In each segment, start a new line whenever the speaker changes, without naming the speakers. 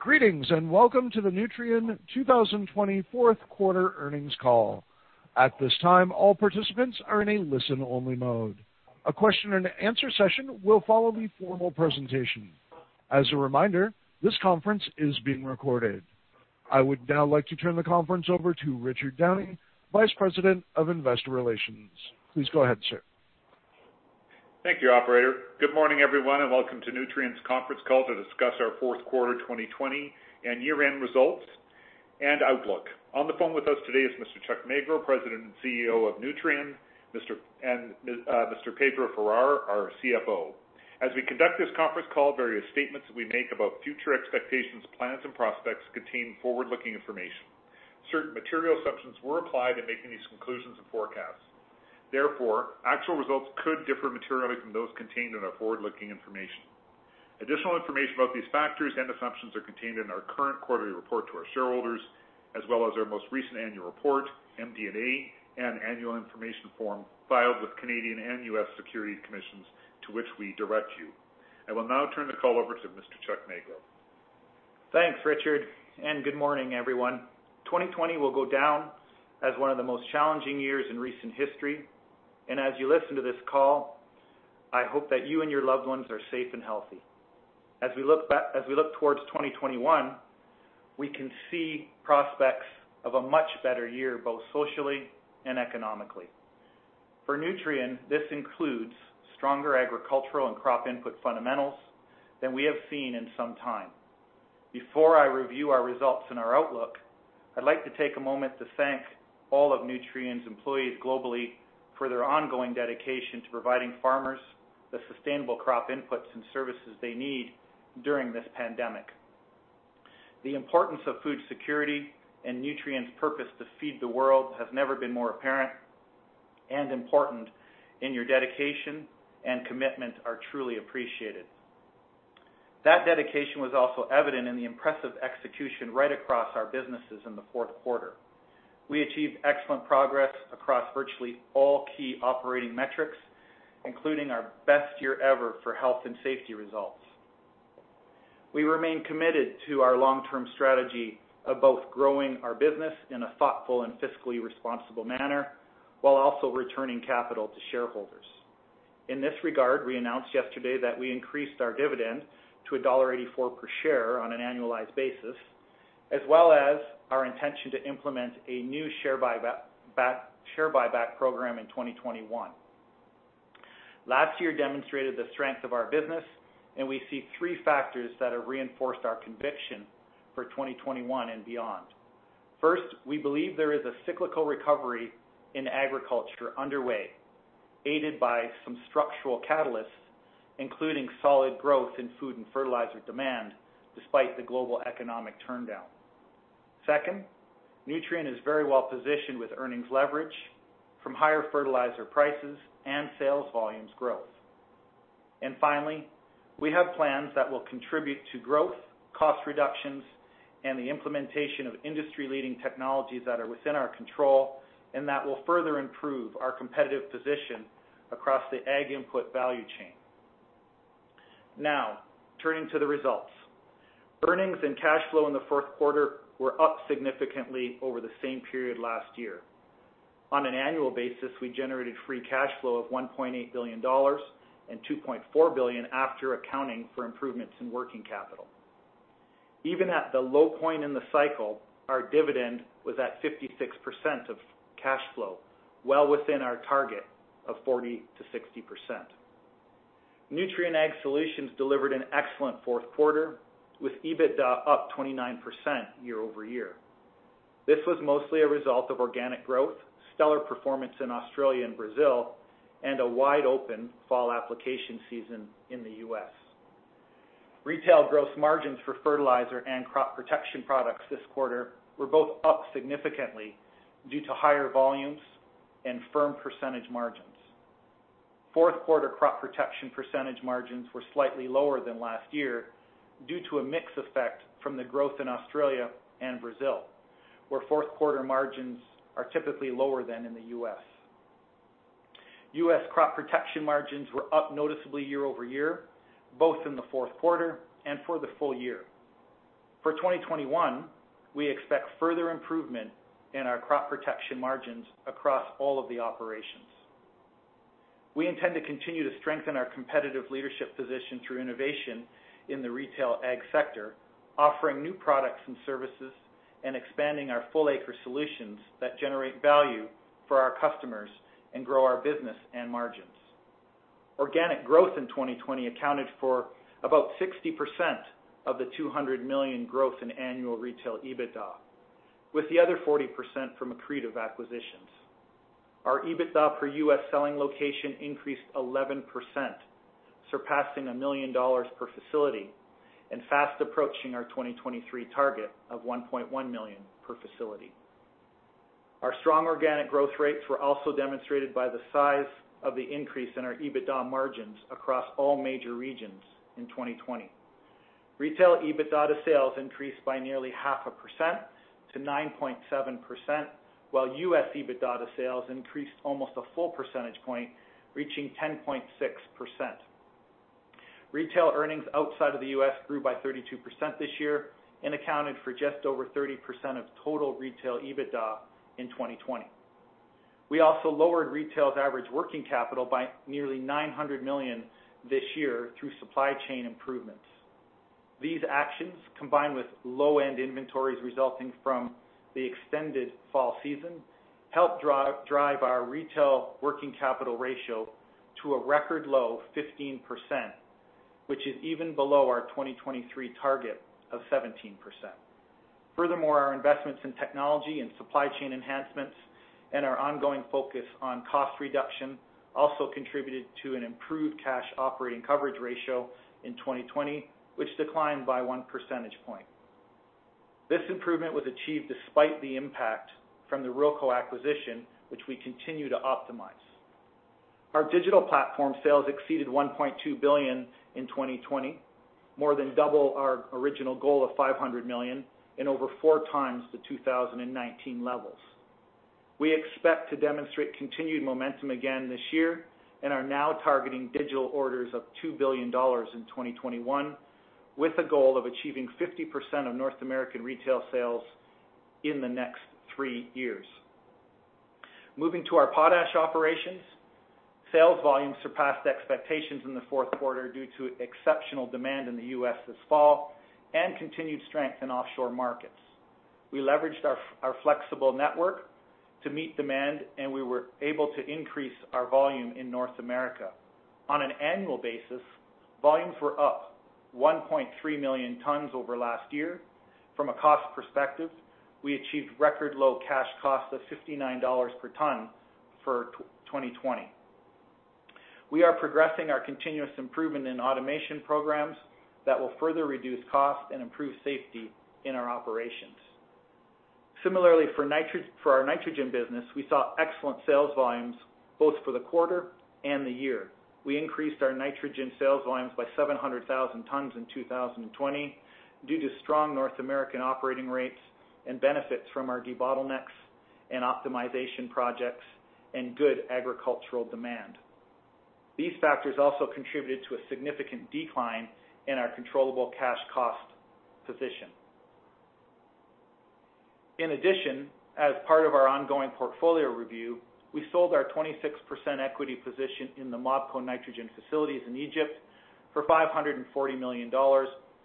Greetings, and welcome to the Nutrien 2020 fourth quarter earnings call. At this time, all participants are in a listen-only mode. A question and answer session will follow the formal presentation. As a reminder, this conference is being recorded. I would now like to turn the conference over to Richard Downey, Vice President of Investor Relations. Please go ahead, sir.
Thank you, operator. Good morning, everyone, and welcome to Nutrien's conference call to discuss our fourth quarter 2020 and year-end results and outlook. On the phone with us today is Mr. Chuck Magro, President and CEO of Nutrien, and Mr. Pedro Farah, our CFO. As we conduct this conference call, various statements that we make about future expectations, plans and prospects contain forward-looking information. Certain material assumptions were applied in making these conclusions and forecasts. Therefore, actual results could differ materially from those contained in our forward-looking information. Additional information about these factors and assumptions are contained in our current quarterly report to our shareholders, as well as our most recent annual report, MD&A, and annual information form filed with Canadian and U.S. Securities Commissions, to which we direct you. I will now turn the call over to Mr. Chuck Magro.
Thanks, Richard, good morning, everyone. 2020 will go down as one of the most challenging years in recent history, and as you listen to this call, I hope that you and your loved ones are safe and healthy. We look towards 2021, we can see prospects of a much better year, both socially and economically. For Nutrien, this includes stronger agricultural and crop input fundamentals than we have seen in some time. Before I review our results and our outlook, I'd like to take a moment to thank all of Nutrien's employees globally for their ongoing dedication to providing farmers the sustainable crop inputs and services they need during this pandemic. The importance of food security and Nutrien's purpose to feed the world has never been more apparent and important, and your dedication and commitment are truly appreciated. That dedication was also evident in the impressive execution right across our businesses in the fourth quarter. We achieved excellent progress across virtually all key operating metrics, including our best year ever for health and safety results. We remain committed to our long-term strategy of both growing our business in a thoughtful and fiscally responsible manner while also returning capital to shareholders. In this regard, we announced yesterday that we increased our dividend to $1.84/share on an annualized basis, as well as our intention to implement a new share buyback program in 2021. Last year demonstrated the strength of our business. We see three factors that have reinforced our conviction for 2021 and beyond. First, we believe there is a cyclical recovery in agriculture underway, aided by some structural catalysts, including solid growth in food and fertilizer demand despite the global economic turndown. Second, Nutrien is very well-positioned with earnings leverage from higher fertilizer prices and sales volumes growth. Finally, we have plans that will contribute to growth, cost reductions, and the implementation of industry-leading technologies that are within our control and that will further improve our competitive position across the ag input value chain. Now, turning to the results. Earnings and cash flow in the fourth quarter were up significantly over the same period last year. On an annual basis, we generated free cash flow of $1.8 billion and $2.4 billion after accounting for improvements in working capital. Even at the low point in the cycle, our dividend was at 56% of cash flow, well within our target of 40%-60%. Nutrien Ag Solutions delivered an excellent fourth quarter, with EBITDA up 29% year-over-year. This was mostly a result of organic growth, stellar performance in Australia and Brazil, and a wide-open fall application season in the U.S. Retail gross margins for fertilizer and crop protection products this quarter were both up significantly due to higher volumes and firm percentage margins. Fourth quarter crop protection percentage margins were slightly lower than last year due to a mix effect from the growth in Australia and Brazil, where fourth quarter margins are typically lower than in the U.S.. U.S. crop protection margins were up noticeably year-over-year, both in the fourth quarter and for the full year. For 2021, we expect further improvement in our crop protection margins across all of the operations. We intend to continue to strengthen our competitive leadership position through innovation in the retail Ag sector, offering new products and services, and expanding our full acre solutions that generate value for our customers and grow our business and margins. Organic growth in 2020 accounted for about 60% of the $200 million growth in annual retail EBITDA, with the other 40% from accretive acquisitions. Our EBITDA per U.S. selling location increased 11%, surpassing a million dollar per facility and fast approaching our 2023 target of $1.1 million per facility. Our strong organic growth rates were also demonstrated by the size of the increase in our EBITDA margins across all major regions in 2020. Retail EBITDA to sales increased by nearly half a percent to 9.7%, while U.S. EBITDA to sales increased almost a full percentage point, reaching 10.6%. Retail earnings outside of the U.S. grew by 32% this year and accounted for just over 30% of total retail EBITDA in 2020. We also lowered retail's average working capital by nearly $900 million this year through supply chain improvements. These actions, combined with low end inventories resulting from the extended fall season, helped drive our retail working capital ratio to a record low of 15%, which is even below our 2023 target of 17%. Furthermore, our investments in technology and supply chain enhancements and our ongoing focus on cost reduction also contributed to an improved cash operating coverage ratio in 2020, which declined by one percentage point. This improvement was achieved despite the impact from the Ruralco acquisition, which we continue to optimize. Our digital platform sales exceeded $1.2 billion in 2020, more than double our original goal of $500 million and over four times the 2019 levels. We expect to demonstrate continued momentum again this year and are now targeting digital orders of $2 billion in 2021, with a goal of achieving 50% of North American retail sales in the next three years. Moving to our potash operations, sales volume surpassed expectations in the fourth quarter due to exceptional demand in the U.S. this fall and continued strength in offshore markets. We leveraged our flexible network to meet demand, and we were able to increase our volume in North America. On an annual basis, volumes were up 1.3 million tons over last year. From a cost perspective, we achieved record low cash cost of $59/ton for 2020. We are progressing our continuous improvement in automation programs that will further reduce cost and improve safety in our operations. Similarly, for our nitrogen business, we saw excellent sales volumes both for the quarter and the year. We increased our nitrogen sales volumes by 700,000 tons in 2020 due to strong North American operating rates and benefits from our debottlenecks and optimization projects and good agricultural demand. These factors also contributed to a significant decline in our controllable cash cost position. In addition, as part of our ongoing portfolio review, we sold our 26% equity position in the MOPCO nitrogen facilities in Egypt for $540 million,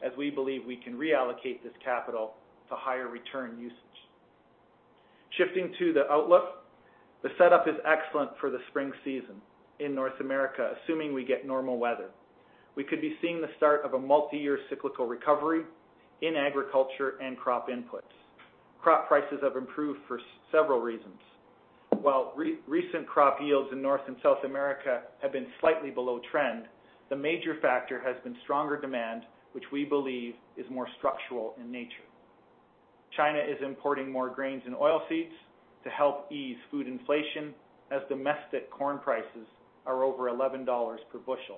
as we believe we can reallocate this capital to higher return usage. Shifting to the outlook, the setup is excellent for the spring season in North America, assuming we get normal weather. We could be seeing the start of a multi-year cyclical recovery in agriculture and crop inputs. Crop prices have improved for several reasons. While recent crop yields in North and South America have been slightly below trend, the major factor has been stronger demand, which we believe is more structural in nature. China is importing more grains and oil seeds to help ease food inflation, as domestic corn prices are over $11/bushel.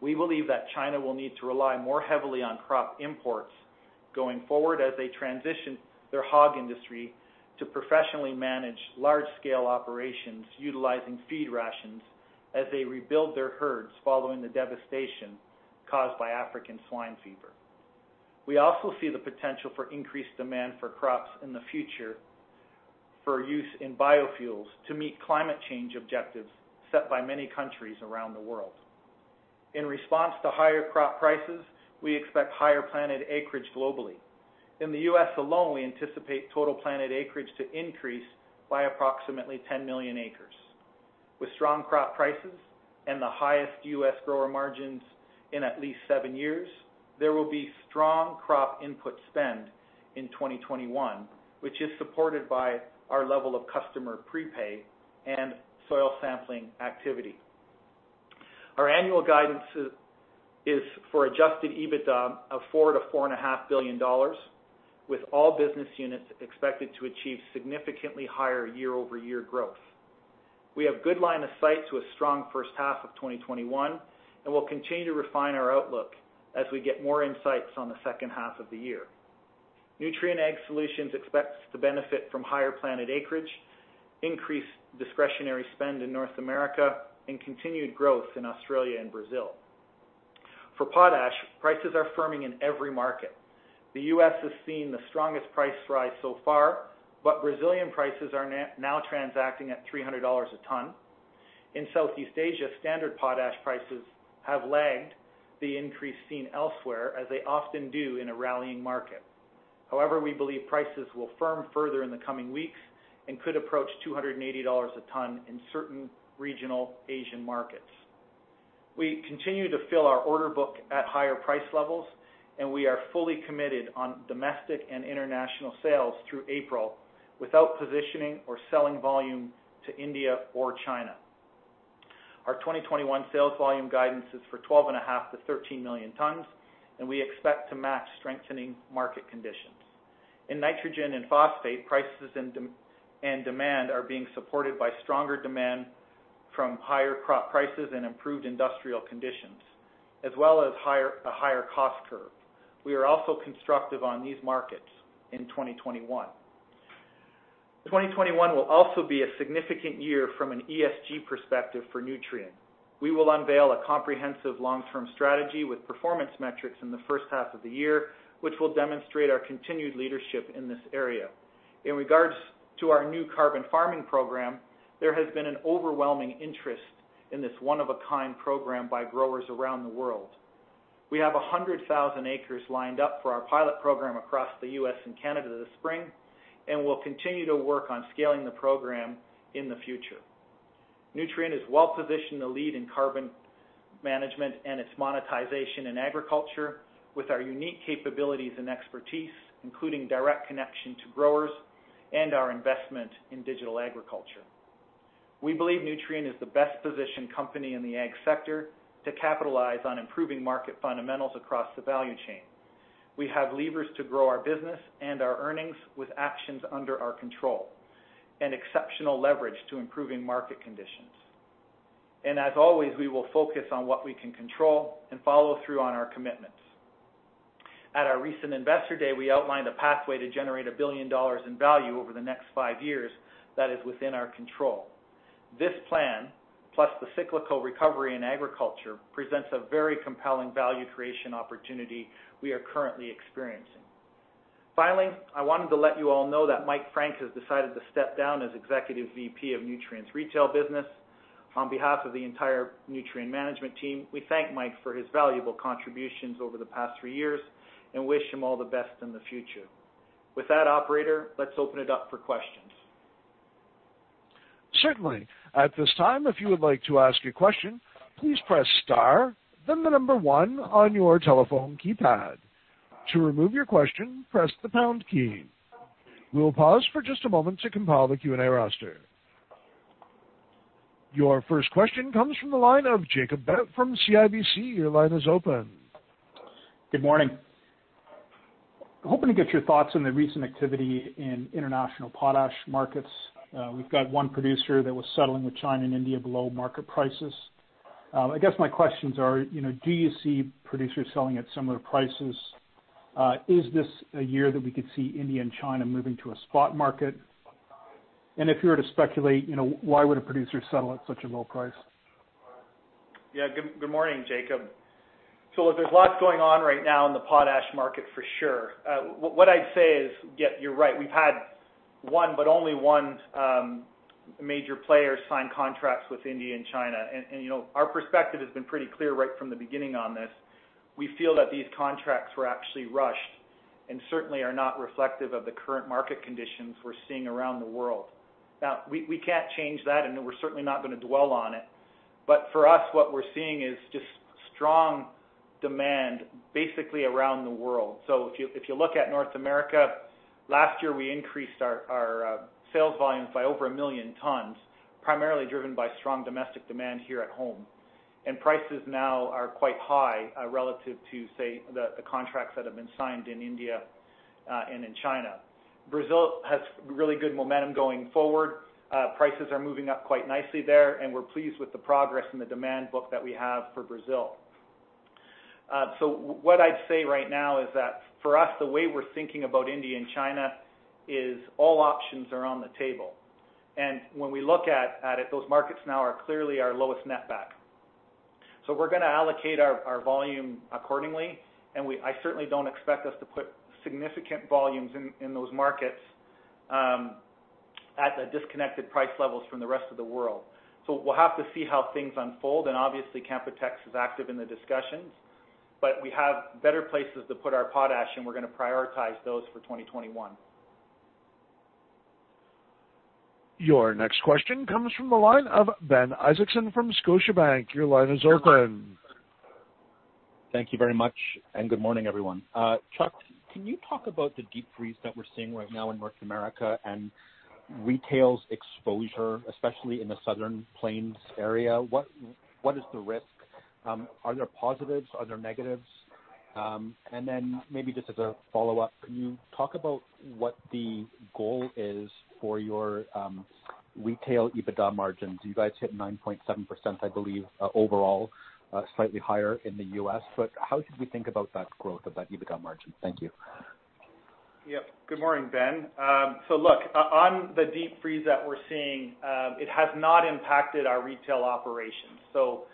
We believe that China will need to rely more heavily on crop imports going forward as they transition their hog industry to professionally manage large-scale operations utilizing feed rations as they rebuild their herds following the devastation caused by African swine fever. We also see the potential for increased demand for crops in the future for use in biofuels to meet climate change objectives set by many countries around the world. In response to higher crop prices, we expect higher planted acreage globally. In the U.S. alone, we anticipate total planted acreage to increase by approximately 10 million acres. With strong crop prices and the highest U.S. grower margins in at least seven years, there will be strong crop input spend in 2021, which is supported by our level of customer prepay and soil sampling activity. Our annual guidance is for adjusted EBITDA of $4 billion-$4.5 billion, with all business units expected to achieve significantly higher year-over-year growth. We have good line of sight to a strong first half of 2021. We'll continue to refine our outlook as we get more insights on the second half of the year. Nutrien Ag Solutions expects to benefit from higher planted acreage, increased discretionary spend in North America, and continued growth in Australia and Brazil. For potash, prices are firming in every market. The U.S. has seen the strongest price rise so far, but Brazilian prices are now transacting at $300 a ton. In Southeast Asia, standard potash prices have lagged the increase seen elsewhere, as they often do in a rallying market. However, we believe prices will firm further in the coming weeks and could approach $280 a ton in certain regional Asian markets. We continue to fill our order book at higher price levels, and we are fully committed on domestic and international sales through April without positioning or selling volume to India or China. Our 2021 sales volume guidance is for 12.5 million-13 million tons, and we expect to match strengthening market conditions. In nitrogen and phosphate, prices and demand are being supported by stronger demand from higher crop prices and improved industrial conditions, as well as a higher cost curve. We are also constructive on these markets in 2021. 2021 will also be a significant year from an ESG perspective for Nutrien. We will unveil a comprehensive long-term strategy with performance metrics in the first half of the year, which will demonstrate our continued leadership in this area. In regards to our new carbon farming program, there has been an overwhelming interest in this one-of-a-kind program by growers around the world. We have 100,000 acres lined up for our pilot program across the U.S. and Canada this spring, and we'll continue to work on scaling the program in the future. Nutrien is well-positioned to lead in carbon management and its monetization in agriculture with our unique capabilities and expertise, including direct connection to growers and our investment in digital agriculture. We believe Nutrien is the best-positioned company in the ag sector to capitalize on improving market fundamentals across the value chain. We have levers to grow our business and our earnings with actions under our control and exceptional leverage to improving market conditions. As always, we will focus on what we can control and follow through on our commitments. At our recent Investor Day, we outlined a pathway to generate a billion in value over the next five years that is within our control. This plan, plus the cyclical recovery in agriculture, presents a very compelling value creation opportunity we are currently experiencing. Finally, I wanted to let you all know that Mike Frank has decided to step down as Executive VP of Nutrien's retail business. On behalf of the entire Nutrien management team, we thank Mike for his valuable contributions over the past three years and wish him all the best in the future. With that, operator, let's open it up for questions.
Certainly. At this time, if you would like to ask a question, please press star, then the number one on your telephone keypad. To remove your question, press the pound key. We will pause for just a moment to compile the Q&A roster. Your first question comes from the line of Jacob Bout from CIBC. Your line is open.
Good morning. Hoping to get your thoughts on the recent activity in international potash markets. We've got one producer that was settling with China and India below market prices. I guess my questions are, do you see producers selling at similar prices? Is this a year that we could see India and China moving to a spot market? If you were to speculate, why would a producer settle at such a low price?
Yeah. Good morning, Jacob. Look, there's lots going on right now in the potash market for sure. What I'd say is, yeah, you're right. We've had one but only one major player sign contracts with India and China. Our perspective has been pretty clear right from the beginning on this. We feel that these contracts were actually rushed and certainly are not reflective of the current market conditions we're seeing around the world. We can't change that, and we're certainly not going to dwell on it. For us, what we're seeing is just strong demand basically around the world. If you look at North America, last year, we increased our sales volumes by over a million tons, primarily driven by strong domestic demand here at home. Prices now are quite high relative to, say, the contracts that have been signed in India and in China. Brazil has really good momentum going forward. Prices are moving up quite nicely there, and we're pleased with the progress in the demand book that we have for Brazil. What I'd say right now is that for us, the way we're thinking about India and China is all options are on the table. When we look at it, those markets now are clearly our lowest netback. We're going to allocate our volume accordingly, and I certainly don't expect us to put significant volumes in those markets at disconnected price levels from the rest of the world. We'll have to see how things unfold, and obviously, Canpotex is active in the discussions. We have better places to put our potash, and we're going to prioritize those for 2021.
Your next question comes from the line of Ben Isaacson from Scotiabank. Your line is open.
Thank you very much. Good morning, everyone. Chuck, can you talk about the deep freeze that we're seeing right now in North America and retail's exposure, especially in the Southern Plains area? What is the risk? Are there positives? Are there negatives? Maybe just as a follow-up, can you talk about what the goal is for your retail EBITDA margins? You guys hit 9.7%, I believe, overall, slightly higher in the U.S. How should we think about that growth of that EBITDA margin? Thank you.
Good morning, Ben. Look, on the deep freeze that we're seeing, it has not impacted our retail operations.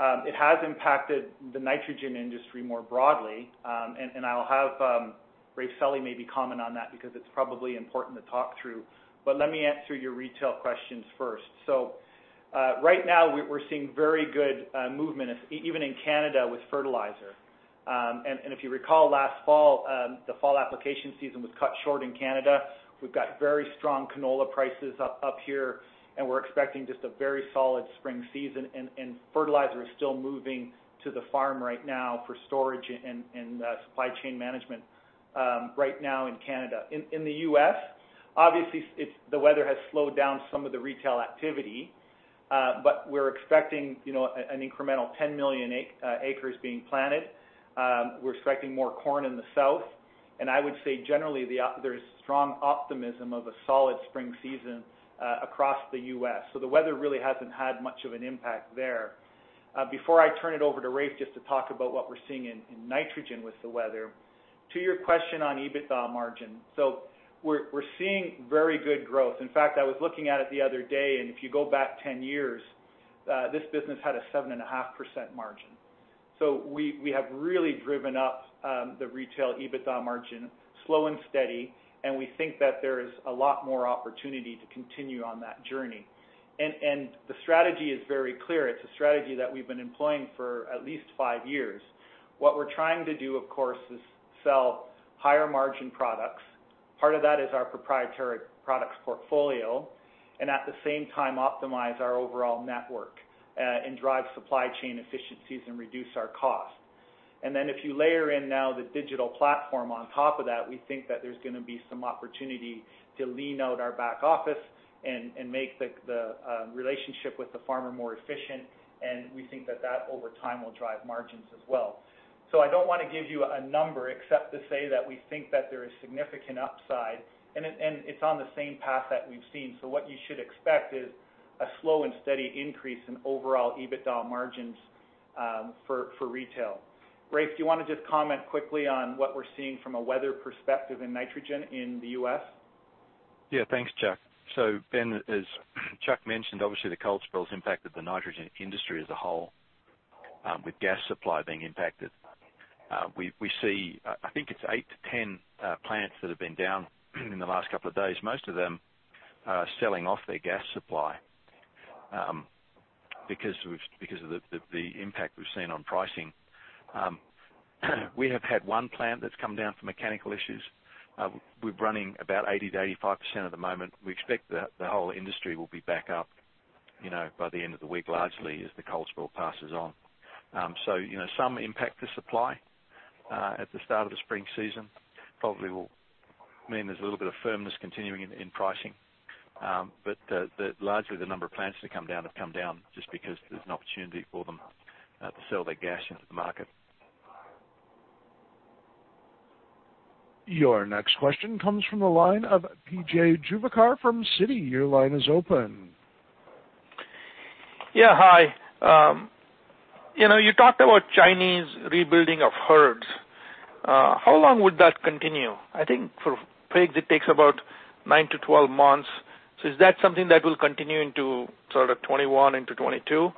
It has impacted the nitrogen industry more broadly, and I will have Raef Sully maybe comment on that because it's probably important to talk through. Let me answer your retail questions first. Right now, we're seeing very good movement, even in Canada, with fertilizer. If you recall last fall, the fall application season was cut short in Canada. We've got very strong canola prices up here, and we're expecting just a very solid spring season. Fertilizer is still moving to the farm right now for storage and supply chain management right now in Canada. In the U.S., obviously, the weather has slowed down some of the retail activity, but we're expecting an incremental 10 million acres being planted. We're expecting more corn in the South, and I would say generally, there's strong optimism of a solid spring season across the U.S. The weather really hasn't had much of an impact there. Before I turn it over to Raef just to talk about what we're seeing in nitrogen with the weather, to your question on EBITDA margin. We're seeing very good growth. In fact, I was looking at it the other day, and if you go back 10 years, this business had a 7.5% margin. We have really driven up the retail EBITDA margin slow and steady, and we think that there is a lot more opportunity to continue on that journey. The strategy is very clear. It's a strategy that we've been employing for at least five years. What we're trying to do, of course, is sell higher margin products, part of that is our proprietary products portfolio, and at the same time optimize our overall network and drive supply chain efficiencies and reduce our costs. If you layer in now the digital platform on top of that, we think that there's going to be some opportunity to lean out our back office and make the relationship with the farmer more efficient, and we think that that over time will drive margins as well. I don't want to give you a number except to say that we think that there is significant upside, and it's on the same path that we've seen. What you should expect is a slow and steady increase in overall EBITDA margins for retail. Raef, do you want to just comment quickly on what we're seeing from a weather perspective in nitrogen in the U.S.?
Thanks, Chuck. Ben, as Chuck mentioned, obviously the cold spell's impacted the nitrogen industry as a whole, with gas supply being impacted. We see, I think it's 8-10 plants that have been down in the last couple of days. Most of them are selling off their gas supply because of the impact we've seen on pricing. We have had one plant that's come down for mechanical issues. We're running about 80%-85% at the moment. We expect the whole industry will be back up by the end of the week, largely as the cold spell passes on. Some impact to supply at the start of the spring season probably will mean there's a little bit of firmness continuing in pricing. Largely the number of plants that come down have come down just because there's an opportunity for them to sell their gas into the market.
Your next question comes from the line of P.J. Juvekar from Citi. Your line is open.
Yeah. Hi. You talked about Chinese rebuilding of herds. How long would that continue? I think for pigs it takes about 9-12 months. Is that something that will continue into sort of 2021 into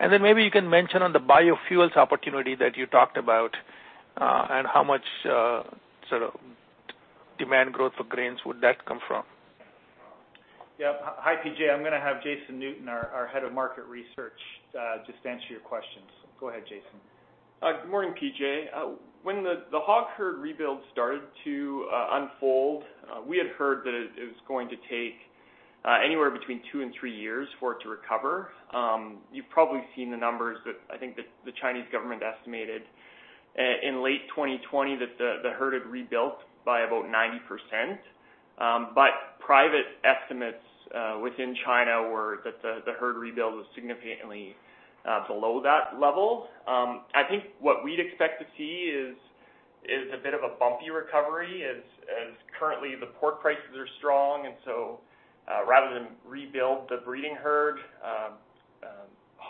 2022? Maybe you can mention on the biofuels opportunity that you talked about, and how much sort of demand growth for grains would that come from?
Yeah. Hi, P.J. I'm going to have Jason Newton, our Head of Market Research, just answer your questions. Go ahead, Jason.
Good morning, P.J. When the hog herd rebuild started to unfold, we had heard that it was going to take anywhere between two and three years for it to recover. You've probably seen the numbers that I think the Chinese government estimated in late 2020 that the herd had rebuilt by about 90%. Private estimates within China were that the herd rebuild was significantly below that level. I think what we'd expect to see is a bit of a bumpy recovery as currently the pork prices are strong, and so rather than rebuild the breeding herd,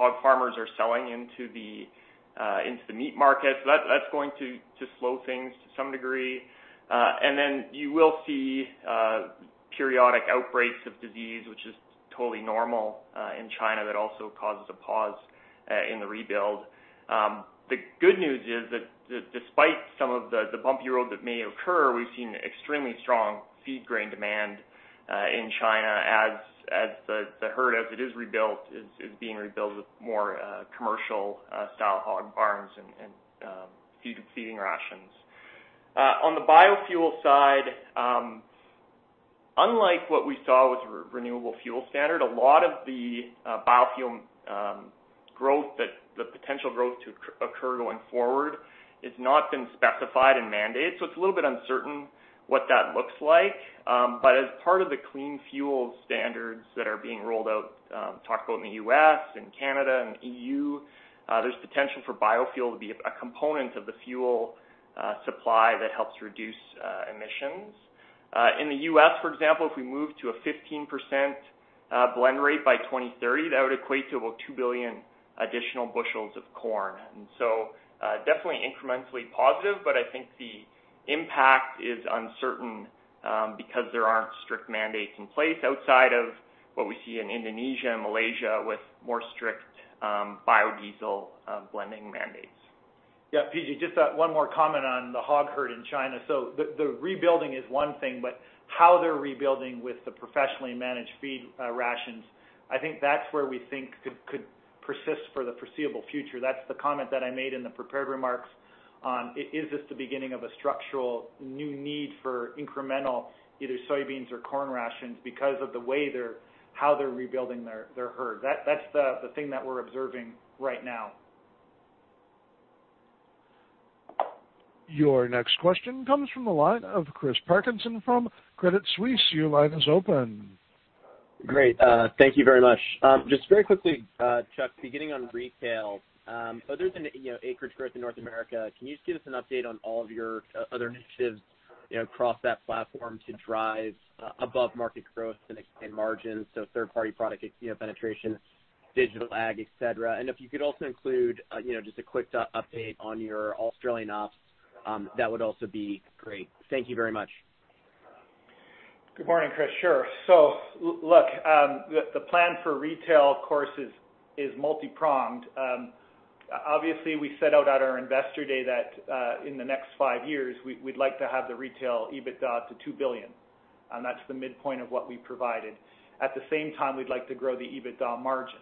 hog farmers are selling into the meat market. That's going to slow things to some degree. Then you will see periodic outbreaks of disease, which is totally normal in China, that also causes a pause in the rebuild. The good news is that despite some of the bumpy road that may occur, we've seen extremely strong feed grain demand in China as the herd, as it is rebuilt, is being rebuilt with more commercial style hog barns and feeding rations. On the biofuel side, unlike what we saw with Renewable Fuel Standard, a lot of the biofuel growth that the potential growth to occur going forward has not been specified and mandated. It's a little bit uncertain what that looks like. As part of the clean fuel standards that are being rolled out, talked about in the U.S. and Canada and EU, there's potential for biofuel to be a component of the fuel supply that helps reduce emissions. In the U.S., for example, if we move to a 15% blend rate by 2030, that would equate to about 2 billion additional bushels of corn. Definitely incrementally positive, but I think the impact is uncertain because there aren't strict mandates in place outside of what we see in Indonesia and Malaysia with more strict biodiesel blending mandates.
Yeah, P.J., just one more comment on the hog herd in China. The rebuilding is one thing, but how they're rebuilding with the professionally managed feed rations, I think that's where we think could persist for the foreseeable future. That's the comment that I made in the prepared remarks on is this the beginning of a structural new need for incremental either soybeans or corn rations because of how they're rebuilding their herd. That's the thing that we're observing right now.
Your next question comes from the line of Chris Parkinson from Credit Suisse. Your line is open.
Great. Thank you very much. Just very quickly, Chuck, beginning on retail. Other than acreage growth in North America, can you just give us an update on all of your other initiatives across that platform to drive above-market growth and margins, so third-party product penetration, digital ag, et cetera. If you could also include just a quick update on your Australian ops, that would also be great. Thank you very much.
Good morning, Chris. Sure. Look, the plan for retail, of course, is multi-pronged. Obviously, we set out at our investor day that in the next five years we'd like to have the retail EBITDA to $2 billion, and that's the midpoint of what we provided. At the same time, we'd like to grow the EBITDA margins.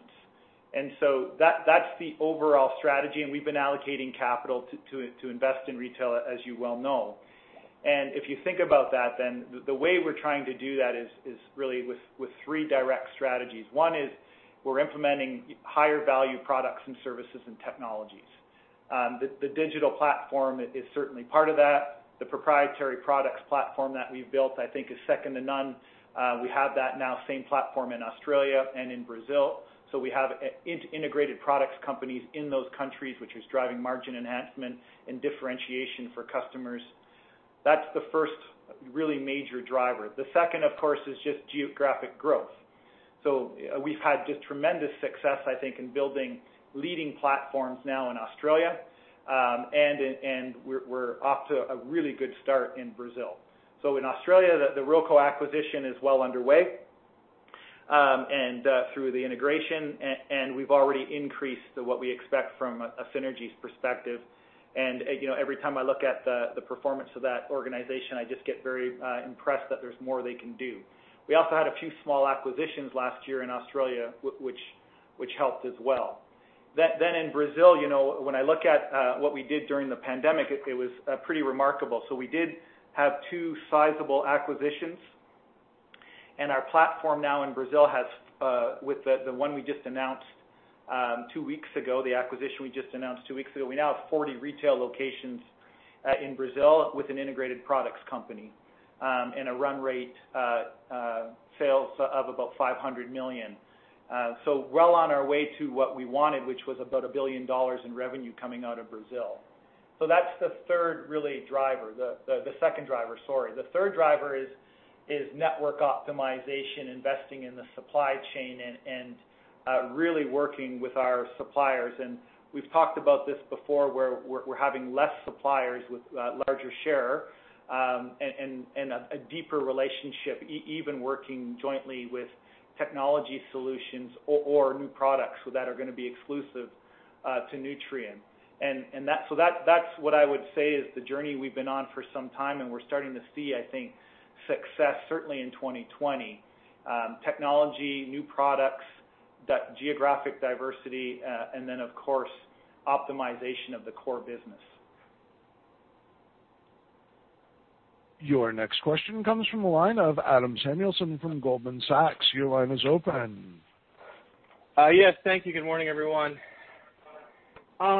That's the overall strategy, and we've been allocating capital to invest in retail, as you well know. If you think about that, then the way we're trying to do that is really with three direct strategies. One is we're implementing higher value products and services and technologies. The digital platform is certainly part of that. The proprietary products platform that we've built, I think, is second to none. We have that now same platform in Australia and in Brazil. We have integrated products companies in those countries, which is driving margin enhancement and differentiation for customers. That's the first really major driver. The second, of course, is just geographic growth. We've had just tremendous success, I think, in building leading platforms now in Australia. We're off to a really good start in Brazil. In Australia, the Ruralco acquisition is well underway through the integration, and we've already increased what we expect from a synergies perspective. Every time I look at the performance of that organization, I just get very impressed that there's more they can do. We also had a few small acquisitions last year in Australia, which helped as well. In Brazil, when I look at what we did during the pandemic, it was pretty remarkable. We did have two sizable acquisitions, and our platform now in Brazil, with the one we just announced two weeks ago, the acquisition we just announced two weeks ago, we now have 40 retail locations in Brazil with an integrated products company, and a run rate sales of about $500 million. Well on our way to what we wanted, which was about a billion dollars in revenue coming out of Brazil. That's the second driver, sorry. The third driver is network optimization, investing in the supply chain and really working with our suppliers. We've talked about this before, where we're having less suppliers with larger share, and a deeper relationship, even working jointly with technology solutions or new products that are going to be exclusive to Nutrien. That's what I would say is the journey we've been on for some time, and we're starting to see, I think, success certainly in 2020. Technology, new products, geographic diversity, and then of course, optimization of the core business.
Your next question comes from the line of Adam Samuelson from Goldman Sachs. Your line is open.
Yes. Thank you. Good morning, everyone. I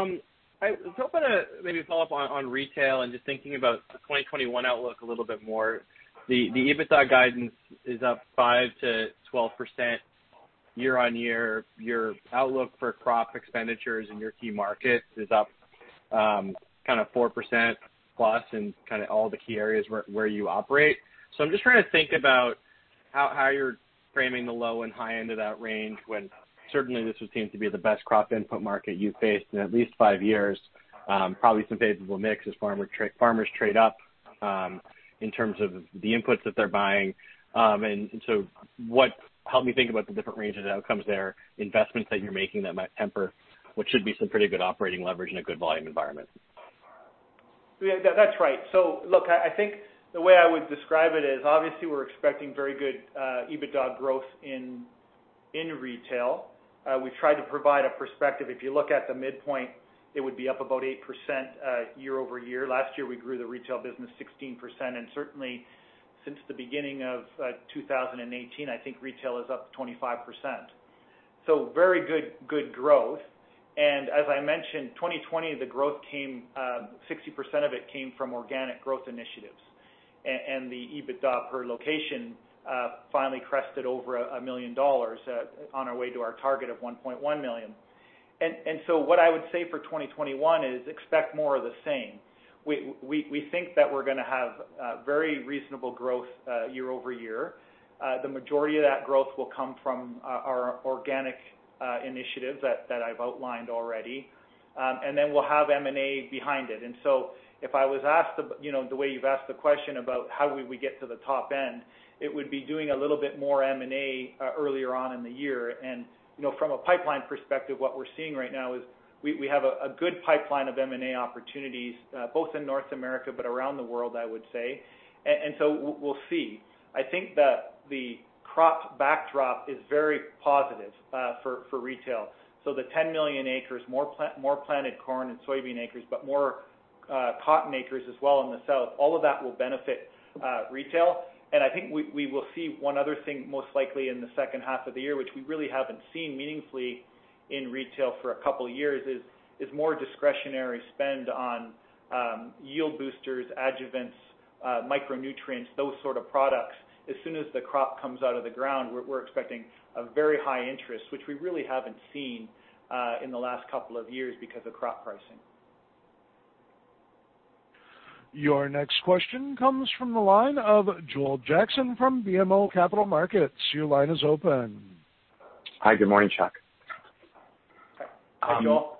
was hoping to maybe follow up on retail and just thinking about the 2021 outlook a little bit more. The EBITDA guidance is up 5% to 12% year-on-year. Your outlook for crop expenditures in your key markets is up kind of 4%+ in kind of all the key areas where you operate. I'm just trying to think about how you're framing the low and high end of that range, when certainly this would seem to be the best crop input market you've faced in at least five years. Probably some favorable mix as farmers trade up in terms of the inputs that they're buying. Help me think about the different ranges of outcomes there, investments that you're making that might temper what should be some pretty good operating leverage in a good volume environment.
Yeah, that's right. Look, I think the way I would describe it is obviously we're expecting very good EBITDA growth in retail. We've tried to provide a perspective. If you look at the midpoint, it would be up about 8% year-over-year. Last year, we grew the retail business 16%, and certainly since the beginning of 2018, I think retail is up 25%. Very good growth. As I mentioned, 2020 of the growth team, 60% of it came from organic growth initiatives. The EBITDA per location finally crested over a million dollars, on our way to our target of $1.1 million. What I would say for 2021 is expect more of the same. We think that we're going to have very reasonable growth year-over-year. The majority of that growth will come from our organic initiatives that I've outlined already. Then we'll have M&A behind it. So if I was asked, the way you've asked the question about how we would get to the top end, it would be doing a little bit more M&A earlier on in the year. From a pipeline perspective, what we're seeing right now is we have a good pipeline of M&A opportunities both in North America but around the world, I would say. So we'll see. I think that the crop backdrop is very positive for retail. The 10 million acres, more planted corn and soybean acres, but more cotton acres as well in the south, all of that will benefit retail. I think we will see one other thing most likely in the second half of the year, which we really haven't seen meaningfully in retail for a couple of years, is more discretionary spend on yield boosters, adjuvants, micronutrients, those sort of products. As soon as the crop comes out of the ground, we're expecting a very high interest, which we really haven't seen in the last couple of years because of crop pricing.
Your next question comes from the line of Joel Jackson from BMO Capital Markets. Your line is open.
Hi, good morning, Chuck.
Hi, Joel.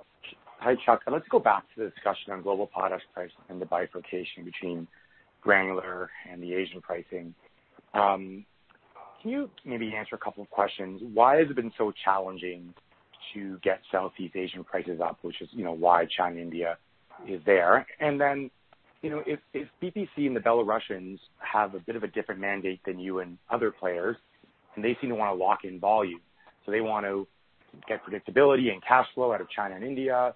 Hi, Chuck. Let's go back to the discussion on global potash prices and the bifurcation between granular and the Asian pricing. Can you maybe answer a couple of questions? Why has it been so challenging to get Southeast Asian prices up, which is why China, India is there? If BPC and Belaruskali have a bit of a different mandate than you and other players, and they seem to want to lock in volume, so they want to get predictability and cash flow out of China and India,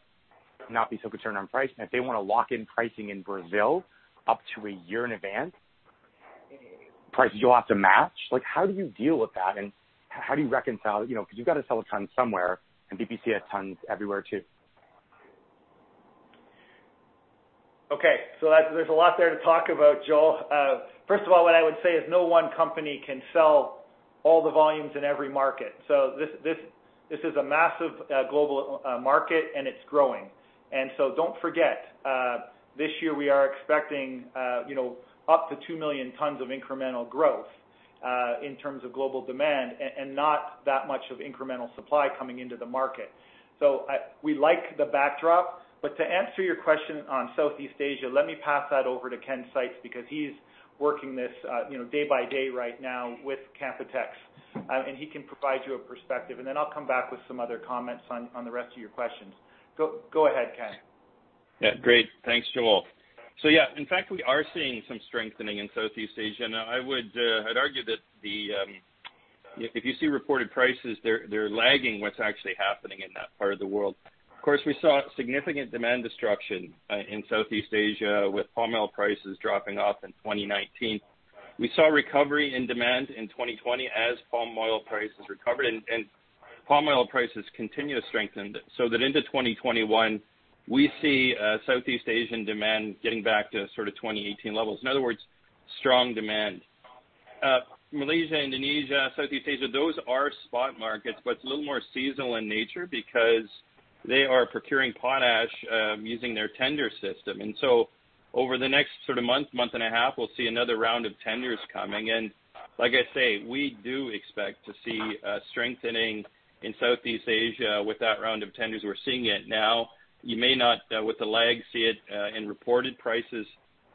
not be so concerned on pricing. If they want to lock in pricing in Brazil up to a year in advance, price you'll have to match. How do you deal with that, and how do you reconcile? You've got to sell a ton somewhere, and BPC has tons everywhere, too.
Okay. There's a lot there to talk about, Joel. First of all, what I would say is no one company can sell all the volumes in every market. This is a massive global market, and it's growing. Don't forget this year we are expecting up to 2 million tons of incremental growth in terms of global demand, and not that much of incremental supply coming into the market. We like the backdrop. To answer your question on Southeast Asia, let me pass that over to Ken Seitz, because he's working this day by day right now with Canpotex, and he can provide you a perspective, and then I'll come back with some other comments on the rest of your questions. Go ahead, Ken.
Great. Thanks, Joel. In fact, we are seeing some strengthening in Southeast Asia. Now I'd argue that if you see reported prices, they're lagging what's actually happening in that part of the world. Of course, we saw significant demand destruction in Southeast Asia with palm oil prices dropping off in 2019. We saw recovery in demand in 2020 as palm oil prices recovered. Palm oil prices continue to strengthen, so that into 2021, we see Southeast Asian demand getting back to sort of 2018 levels. In other words, strong demand. Malaysia, Indonesia, Southeast Asia, those are spot markets, but it's a little more seasonal in nature because they are procuring potash using their tender system. Over the next sort of month and a half, we'll see another round of tenders coming in. Like I say, we do expect to see a strengthening in Southeast Asia with that round of tenders. We're seeing it now. You may not, with the lag, see it in reported prices,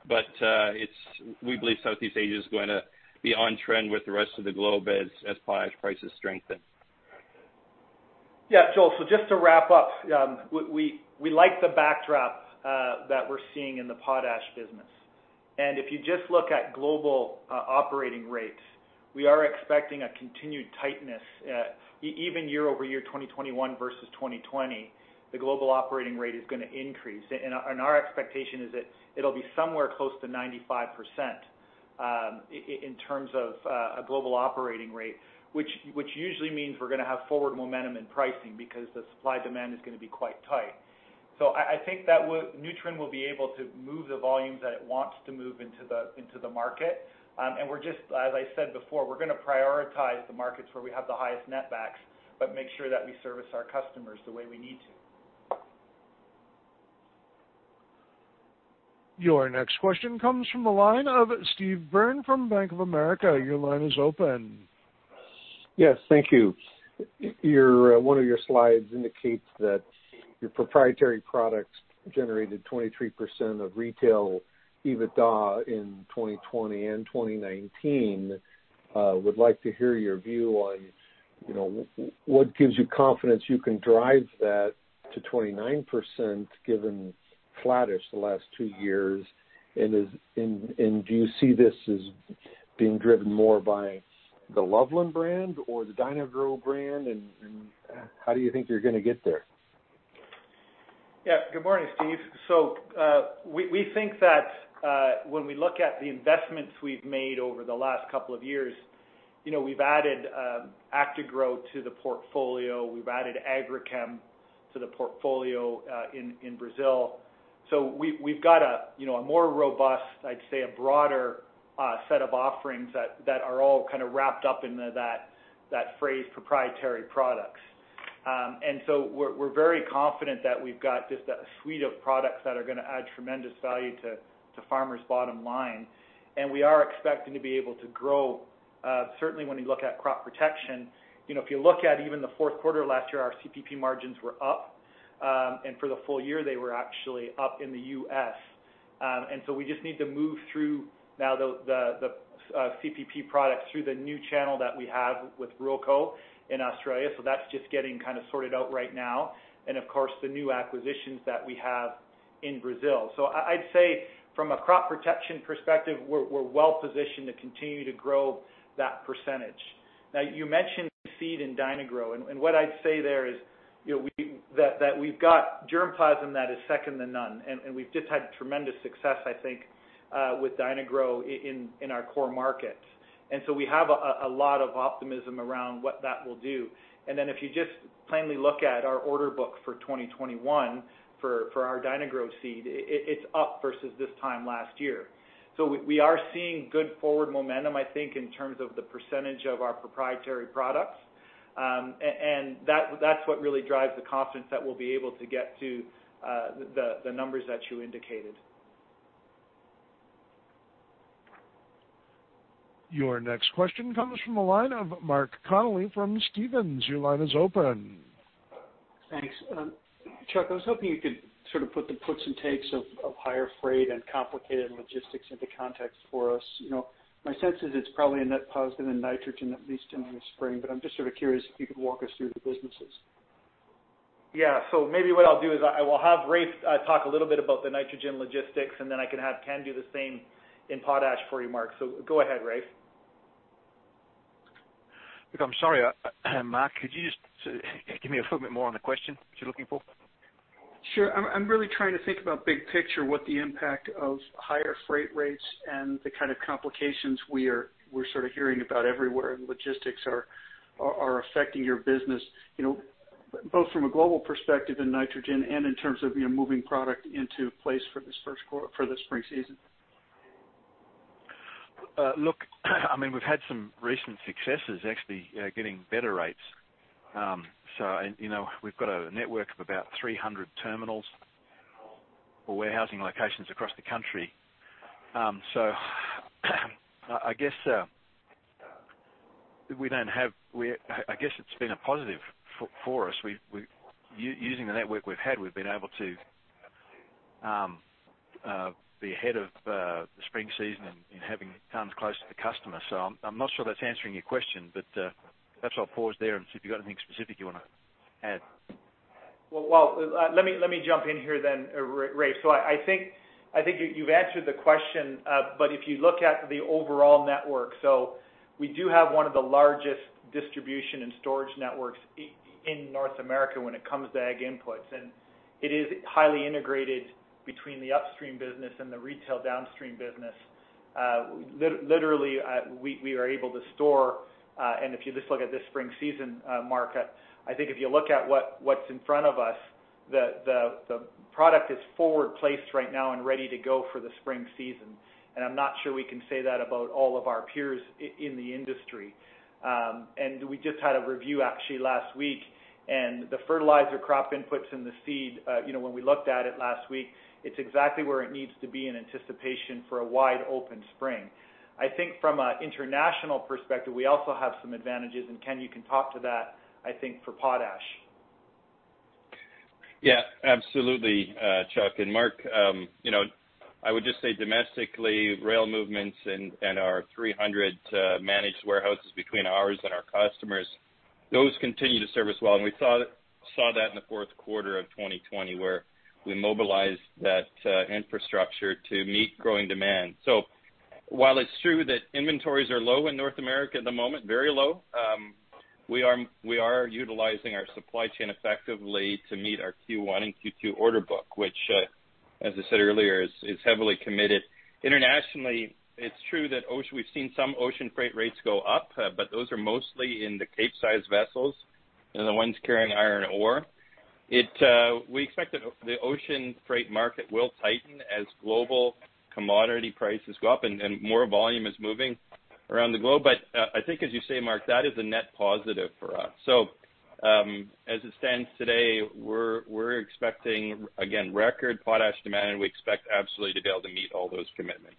but we believe Southeast Asia is going to be on trend with the rest of the globe as potash prices strengthen.
Yeah, Joel, so just to wrap up, we like the backdrop that we're seeing in the potash business. If you just look at global operating rates, we are expecting a continued tightness. Even year-over-year 2021 versus 2020, the global operating rate is going to increase. Our expectation is that it'll be somewhere close to 95% in terms of a global operating rate, which usually means we're going to have forward momentum in pricing because the supply-demand is going to be quite tight. I think that Nutrien will be able to move the volumes that it wants to move into the market. We're just, as I said before, we're going to prioritize the markets where we have the highest net backs, but make sure that we service our customers the way we need to.
Your next question comes from the line of Steve Byrne from Bank of America. Your line is open.
Yes, thank you. One of your slides indicates that your proprietary products generated 23% of retail EBITDA in 2020 and 2019. I would like to hear your view on what gives you confidence you can drive that to 29% given flattish the last two years. Do you see this as being driven more by the Loveland brand or the Dyna-Gro brand? How do you think you're going to get there?
Yeah. Good morning, Steve. We think that when we look at the investments we've made over the last couple of years, we've added Actagro to the portfolio, we've added Agrichem to the portfolio in Brazil. We've got a more robust, I'd say, a broader set of offerings that are all kind of wrapped up into that phrase, proprietary products. We're very confident that we've got just a suite of products that are going to add tremendous value to farmers' bottom line, and we are expecting to be able to grow. Certainly, when you look at crop protection, if you look at even the fourth quarter of last year, our CPP margins were up. For the full year, they were actually up in the U.S. We just need to move through now the CPP products through the new channel that we have with Ruralco in Australia. That's just getting kind of sorted out right now, and of course, the new acquisitions that we have in Brazil. I'd say from a crop protection perspective, we're well-positioned to continue to grow that percentage. You mentioned seed and Dyna-Gro, and what I'd say there is that we've got germplasm that is second to none, and we've just had tremendous success, I think, with Dyna-Gro in our core markets. We have a lot of optimism around what that will do. If you just plainly look at our order book for 2021 for our Dyna-Gro seed, it's up versus this time last year. We are seeing good forward momentum, I think, in terms of the percentage of our proprietary products. That's what really drives the confidence that we'll be able to get to the numbers that you indicated.
Your next question comes from the line of Mark Connelly from Stephens. Your line is open.
Thanks. Chuck, I was hoping you could sort of put the puts and takes of higher freight and complicated logistics into context for us. My sense is it's probably a net positive in nitrogen, at least in the spring. I'm just sort of curious if you could walk us through the businesses.
Yeah. Maybe what I'll do is I will have Raef talk a little bit about the nitrogen logistics, and then I can have Ken do the same in potash for you, Mark. Go ahead, Raef.
Look, I'm sorry, Mark, could you just give me a little bit more on the question that you're looking for?
Sure. I'm really trying to think about big picture, what the impact of higher freight rates and the kind of complications we're sort of hearing about everywhere in logistics are affecting your business, both from a global perspective in nitrogen and in terms of moving product into place for this spring season.
We've had some recent successes actually getting better rates. We've got a network of about 300 terminals or warehousing locations across the country. I guess it's been a positive for us. Using the network we've had, we've been able to be ahead of the spring season and having tons close to the customer. I'm not sure that's answering your question, but perhaps I'll pause there and see if you've got anything specific you want to add.
Let me jump in here then, Raef. I think you've answered the question. If you look at the overall network, we do have one of the largest distribution and storage networks in North America when it comes to ag inputs. It is highly integrated between the upstream business and the retail downstream business. Literally, we are able to store, and if you just look at this spring season, Mark, I think if you look at what's in front of us, the product is forward placed right now and ready to go for the spring season. I'm not sure we can say that about all of our peers in the industry. We just had a review actually last week, and the fertilizer crop inputs and the seed, when we looked at it last week, it's exactly where it needs to be in anticipation for a wide open spring. I think from an international perspective, we also have some advantages, and Ken, you can talk to that, I think, for potash.
Yeah, absolutely, Chuck. Mark, I would just say domestically, rail movements and our 300 managed warehouses between ours and our customers, those continue to service well. We saw that in the fourth quarter of 2020, where we mobilized that infrastructure to meet growing demand. While it's true that inventories are low in North America at the moment, very low, we are utilizing our supply chain effectively to meet our Q1 and Q2 order book, which, as I said earlier, is heavily committed. Internationally, it's true that we've seen some ocean freight rates go up, but those are mostly in the Capesize vessels and the ones carrying iron ore. We expect that the ocean freight market will tighten as global commodity prices go up and more volume is moving around the globe. I think as you say, Mark, that is a net positive for us. As it stands today, we're expecting, again, record potash demand, and we expect absolutely to be able to meet all those commitments.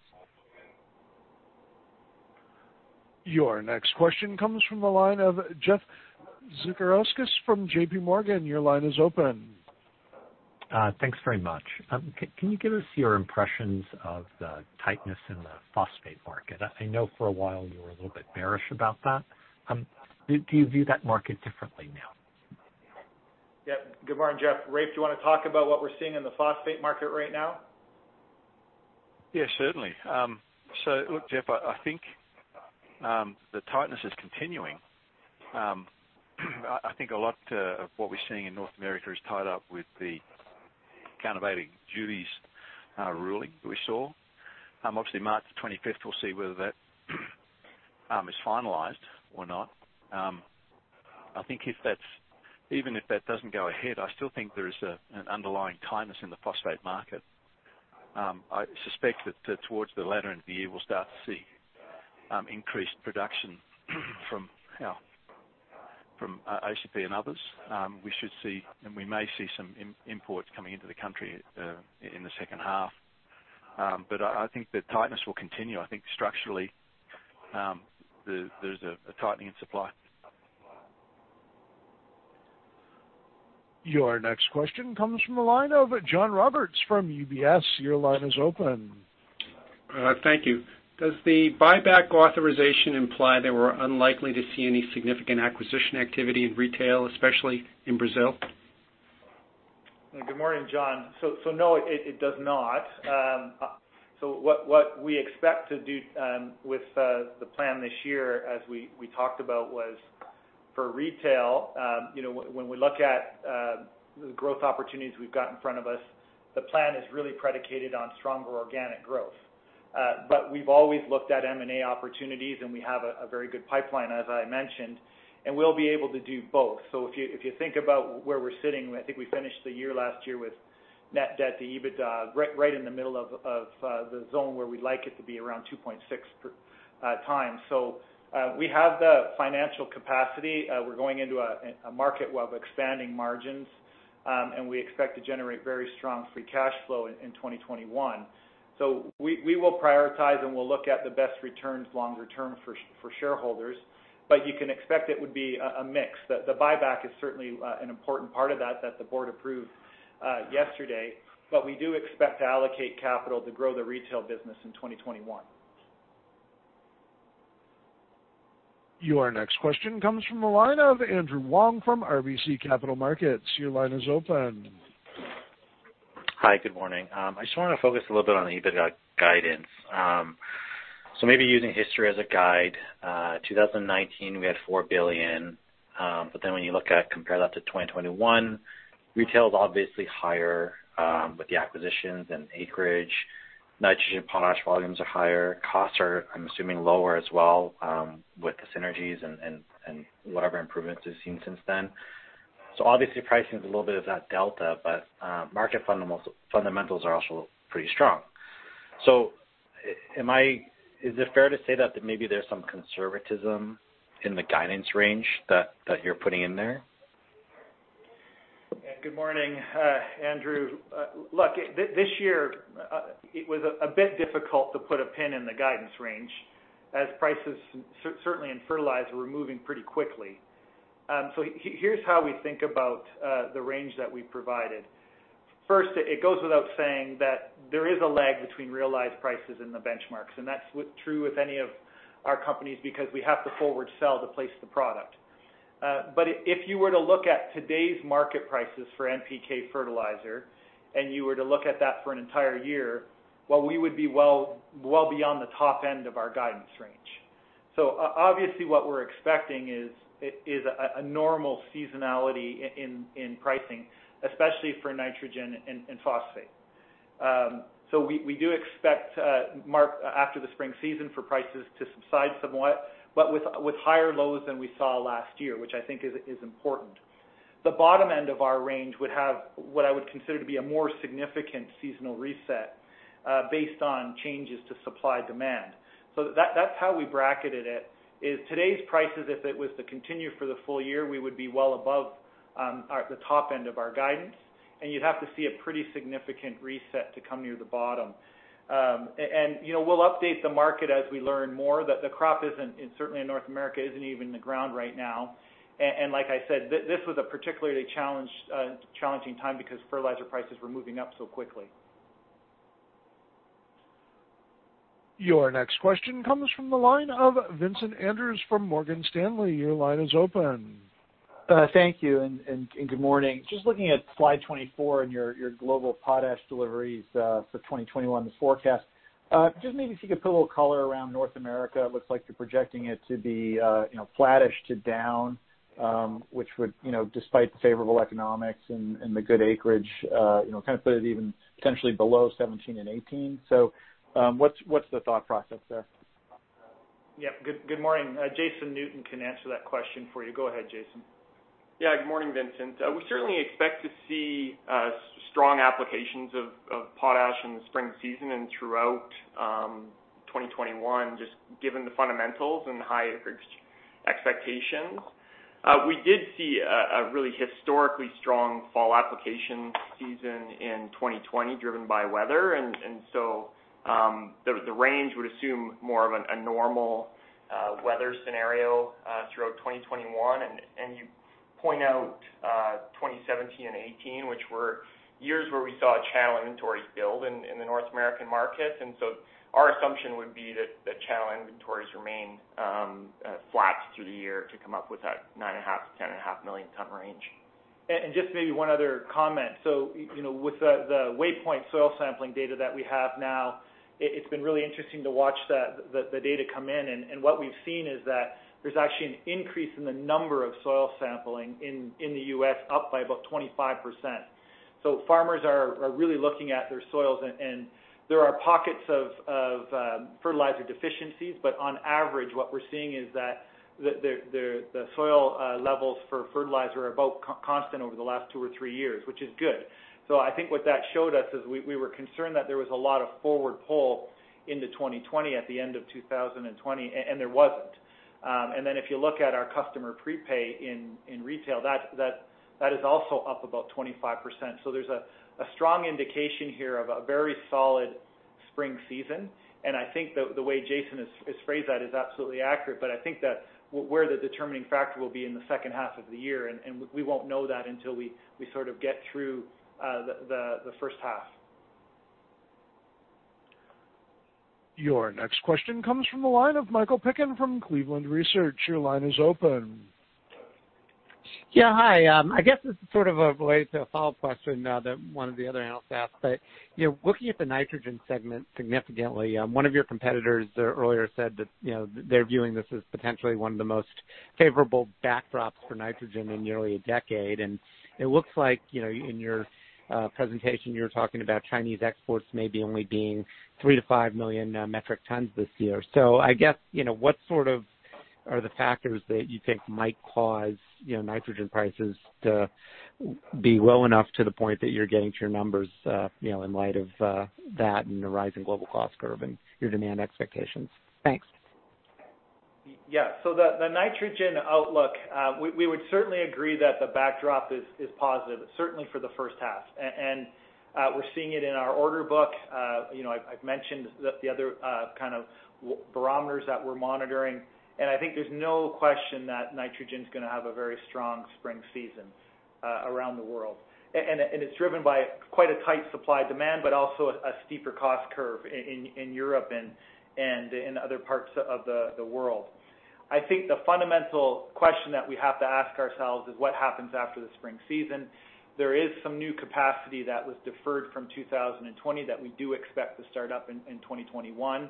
Your next question comes from the line of Jeffrey Zekauskas from JPMorgan. Your line is open.
Thanks very much. Can you give us your impressions of the tightness in the phosphate market? I know for a while you were a little bit bearish about that. Do you view that market differently now?
Yep. Good morning, Jeff. Raef, do you want to talk about what we're seeing in the phosphate market right now?
Yeah, certainly. Look, Jeff, I think the tightness is continuing. I think a lot of what we're seeing in North America is tied up with the countervailing duties ruling that we saw. Obviously, March the 25th, we'll see whether that is finalized or not. I think even if that doesn't go ahead, I still think there is an underlying tightness in the phosphate market. I suspect that towards the latter end of the year, we'll start to see increased production from OCP and others. We should see and we may see some imports coming into the country in the second half. I think the tightness will continue. I think structurally, there's a tightening in supply.
Your next question comes from the line of John Roberts from UBS. Your line is open.
Thank you. Does the buyback authorization imply that we're unlikely to see any significant acquisition activity in retail, especially in Brazil?
Good morning, John. No, it does not. What we expect to do with the plan this year, as we talked about, was for retail. When we look at the growth opportunities we've got in front of us, the plan is really predicated on stronger organic growth. We've always looked at M&A opportunities, and we have a very good pipeline, as I mentioned, and we'll be able to do both. If you think about where we're sitting, I think we finished the year last year with Net debt to EBITDA, right in the middle of the zone where we'd like it to be, around 2.6x. We have the financial capacity. We're going into a market of expanding margins, and we expect to generate very strong free cash flow in 2021. We will prioritize, and we'll look at the best returns longer term for shareholders, but you can expect it would be a mix. The buyback is certainly an important part of that the board approved yesterday. We do expect to allocate capital to grow the retail business in 2021.
Your next question comes from the line of Andrew Wong from RBC Capital Markets. Your line is open.
Hi, good morning. I just want to focus a little bit on the EBITDA guidance. Maybe using history as a guide, 2019, we had $4 billion. When you compare that to 2021, retail is obviously higher with the acquisitions and acreage. Nitrogen and potash volumes are higher. Costs are, I'm assuming, lower as well with the synergies and whatever improvements we've seen since then. Obviously, pricing is a little bit of that delta, but market fundamentals are also pretty strong. Is it fair to say that maybe there's some conservatism in the guidance range that you're putting in there?
Yeah, good morning, Andrew. Look, this year, it was a bit difficult to put a pin in the guidance range, as prices, certainly in fertilizer, were moving pretty quickly. Here's how we think about the range that we provided. First, it goes without saying that there is a lag between realized prices and the benchmarks, and that's true with any of our companies because we have to forward sell to place the product. If you were to look at today's market prices for NPK fertilizer and you were to look at that for an entire year, well, we would be well beyond the top end of our guidance range. Obviously, what we're expecting is a normal seasonality in pricing, especially for nitrogen and phosphate. We do expect after the spring season for prices to subside somewhat, but with higher lows than we saw last year, which I think is important. The bottom end of our range would have what I would consider to be a more significant seasonal reset based on changes to supply-demand. That's how we bracketed it, is today's prices, if it was to continue for the full year, we would be well above the top end of our guidance, and you'd have to see a pretty significant reset to come near the bottom. We'll update the market as we learn more, that the crop, certainly in North America, isn't even in the ground right now. Like I said, this was a particularly challenging time because fertilizer prices were moving up so quickly.
Your next question comes from the line of Vincent Andrews from Morgan Stanley. Your line is open.
Thank you. Good morning. Just looking at slide 24 in your global potash deliveries for 2021, the forecast. Just maybe if you could put a little color around North America. It looks like you're projecting it to be flattish to down, which would, despite the favorable economics and the good acreage, kind of put it even potentially below 2017 and 2018. What's the thought process there?
Yeah. Good morning. Jason Newton can answer that question for you. Go ahead, Jason.
Yeah. Good morning, Vincent. We certainly expect to see strong applications of potash in the spring season and throughout 2021, just given the fundamentals and the high acreage expectations. We did see a really historically strong fall application season in 2020 driven by weather. So the range would assume more of a normal weather scenario throughout 2021. You point out 2017 and 2018, which were years where we saw channel inventories build in the North American market. Our assumption would be that the channel inventories remain flat through the year to come up with that 9.5 million tons-10.5 million tons range.
Just maybe one other comment. With the Waypoint soil sampling data that we have now, it's been really interesting to watch the data come in, and what we've seen is that there's actually an increase in the number of soil sampling in the U.S. up by about 25%. Farmers are really looking at their soils, and there are pockets of fertilizer deficiencies. On average, what we're seeing is that the soil levels for fertilizer are about constant over the last two or three years, which is good. I think what that showed us is we were concerned that there was a lot of forward pull into 2020 at the end of 2020, and there wasn't. If you look at our customer prepay in retail, that is also up about 25%. There's a strong indication here of a very solid spring season, and I think the way Jason has phrased that is absolutely accurate. I think that where the determining factor will be in the second half of the year, and we won't know that until we sort of get through the first half.
Your next question comes from the line of Michael Piken from Cleveland Research. Your line is open.
Yeah. Hi. I guess this is sort of related to a follow-up question that one of the other analysts asked. Looking at the nitrogen segment significantly, one of your competitors earlier said that they're viewing this as potentially one of the most favorable backdrops for nitrogen in nearly a decade. It looks like in your presentation, you were talking about Chinese exports maybe only being 3 million-5 million metric tons this year. I guess, what are the factors that you think might cause nitrogen prices to be low enough to the point that you're getting to your numbers, in light of that and the rising global cost curve and your demand expectations? Thanks.
The nitrogen outlook, we would certainly agree that the backdrop is positive, certainly for the first half. We're seeing it in our order book. I've mentioned the other kind of barometers that we're monitoring. I think there's no question that nitrogen's going to have a very strong spring season around the world. It's driven by quite a tight supply-demand, but also a steeper cost curve in Europe and in other parts of the world. I think the fundamental question that we have to ask ourselves is what happens after the spring season? There is some new capacity that was deferred from 2020 that we do expect to start up in 2021.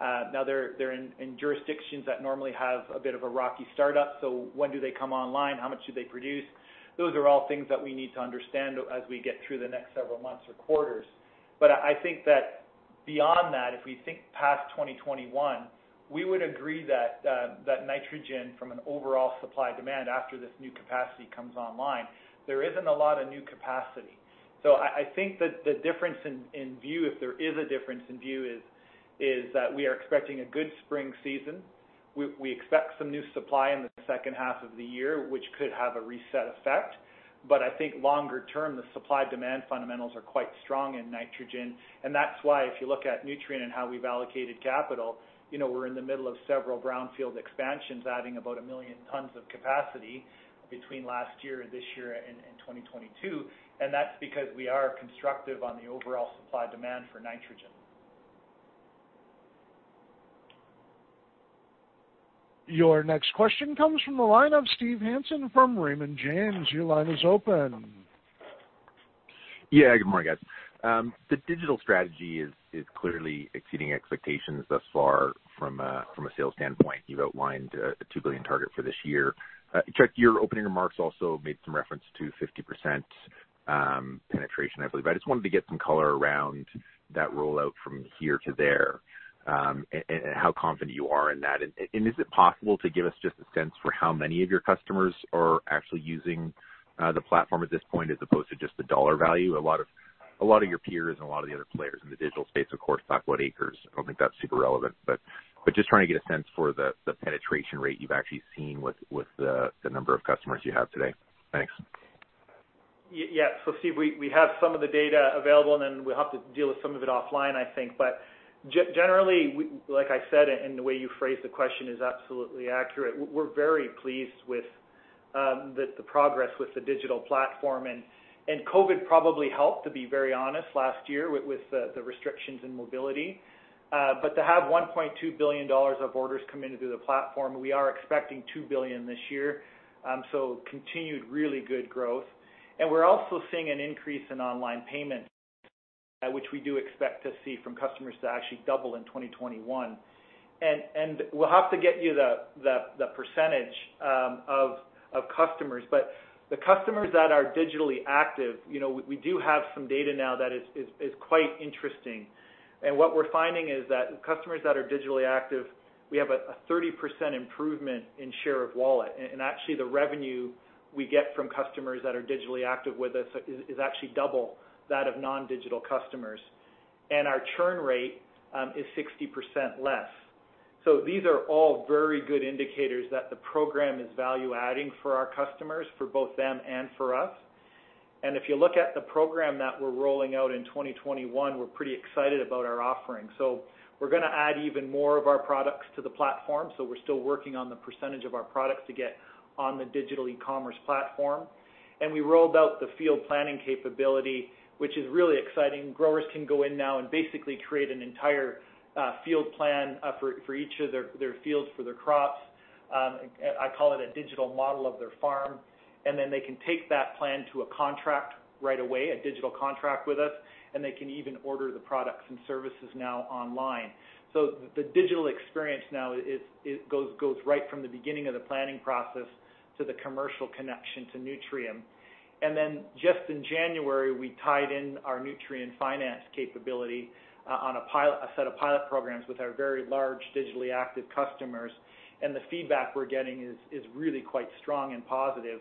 They're in jurisdictions that normally have a bit of a rocky startup. When do they come online? How much do they produce? Those are all things that we need to understand as we get through the next several months or quarters. I think that beyond that, if we think past 2021, we would agree that nitrogen, from an overall supply-demand after this new capacity comes online, there isn't a lot of new capacity. I think that the difference in view, if there is a difference in view, is that we are expecting a good spring season. We expect some new supply in the second half of the year, which could have a reset effect. I think longer term, the supply-demand fundamentals are quite strong in nitrogen, and that's why if you look at Nutrien and how we've allocated capital, we're in the middle of several brownfield expansions adding about a million tons of capacity between last year and this year and 2022. That's because we are constructive on the overall supply-demand for nitrogen.
Your next question comes from the line of Steve Hansen from Raymond James. Your line is open.
Yeah. Good morning, guys. The digital strategy is clearly exceeding expectations thus far from a sales standpoint. You've outlined a $2 billion target for this year. Chuck, your opening remarks also made some reference to 50% penetration, I believe. I just wanted to get some color around that rollout from here to there, and how confident you are in that. Is it possible to give us just a sense for how many of your customers are actually using the platform at this point, as opposed to just the dollar value? A lot of your peers and a lot of the other players in the digital space, of course, talk about acres. I don't think that's super relevant, but just trying to get a sense for the penetration rate you've actually seen with the number of customers you have today. Thanks.
Steve, we have some of the data available. We'll have to deal with some of it offline, I think. Generally, like I said, the way you phrased the question is absolutely accurate. We're very pleased with the progress with the digital platform. COVID probably helped, to be very honest, last year with the restrictions in mobility. To have $1.2 billion of orders come into the platform, we are expecting $2 billion this year, continued really good growth. We're also seeing an increase in online payment, which we do expect to see from customers to actually double in 2021. We'll have to get you the percentage of customers. The customers that are digitally active, we do have some data now that is quite interesting. What we're finding is that customers that are digitally active, we have a 30% improvement in share of wallet. Actually, the revenue we get from customers that are digitally active with us is actually double that of non-digital customers. Our churn rate is 60% less. These are all very good indicators that the program is value-adding for our customers, for both them and for us. If you look at the program that we're rolling out in 2021, we're pretty excited about our offering. We're going to add even more of our products to the platform. We're still working on the percentage of our products to get on the digital e-commerce platform. We rolled out the field planning capability, which is really exciting. Growers can go in now and basically create an entire field plan for each of their fields for their crops. I call it a digital model of their farm. They can take that plan to a contract right away, a digital contract with us, and they can even order the products and services now online. The digital experience now goes right from the beginning of the planning process to the commercial connection to Nutrien. Just in January, we tied in our Nutrien Financial capability on a set of pilot programs with our very large digitally active customers. The feedback we're getting is really quite strong and positive.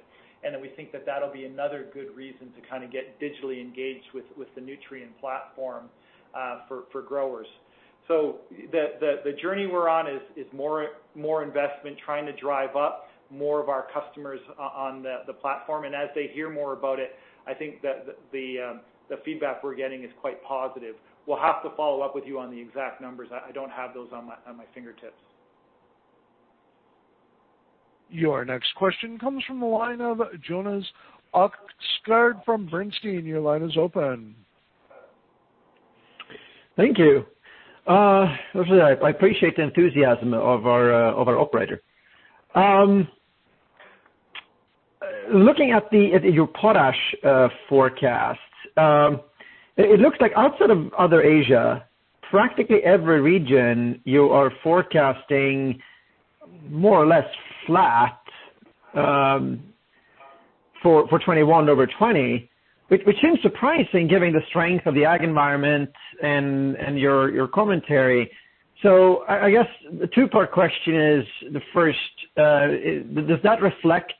We think that that'll be another good reason to kind of get digitally engaged with the Nutrien platform for growers. The journey we're on is more investment, trying to drive up more of our customers on the platform. As they hear more about it, I think that the feedback we're getting is quite positive. We'll have to follow up with you on the exact numbers. I don't have those on my fingertips.
Your next question comes from the line of Jonas Oxgaard from Bernstein. Your line is open.
Thank you. Actually, I appreciate the enthusiasm of our operator. Looking at your potash forecast, it looks like outside of other Asia, practically every region you are forecasting more or less flat. For 2021 over 2020, which seems surprising given the strength of the Ag environment and your commentary. I guess the two-part question is, the first, does that reflect